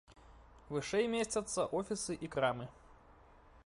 Вышэй месцяцца офісы і крамы.